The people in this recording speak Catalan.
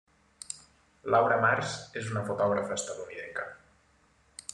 Laura Mars és una fotògrafa estatunidenca.